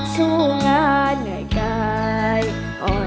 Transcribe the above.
สู้งานเหงาใกล้